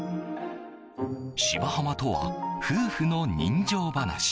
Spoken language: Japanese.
「芝浜」とは夫婦の人情噺。